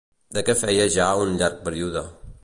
De què feia ja un llarg període?